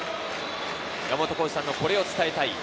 山本浩二さんのこれを伝えたい！